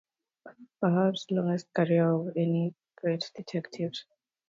Appleby had perhaps the longest career of any of the great detectives.